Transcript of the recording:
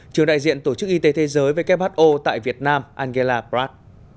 trưởng đại diện tổ chức y tế thế giới who tại việt nam angela pratt